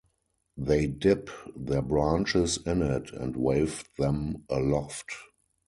They dip their branches in it and wave them aloft.